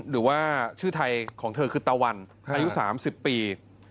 หรือว่าชื่อไทยของเธอคือตะวันอายุ๓๐ปี